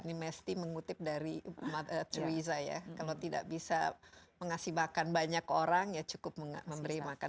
nih mesty mengutip dari teresa ya kalau tidak bisa mengasih makan banyak orang ya cukup memberi makan